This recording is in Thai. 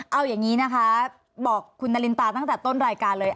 เอาอย่างนี้นะคะบอกคุณนารินตาตั้งแต่ต้นรายการเลย